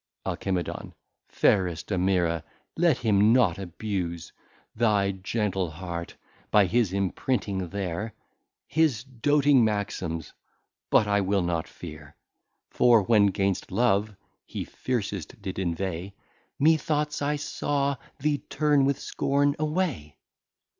Alci. Fairest Amira let him not abuse Thy gentle Heart, by his imprinting there His doting Maxims But I will not fear: For when 'gainst Love he fiercest did inveigh, Methoughts I saw thee turn with Scorn away.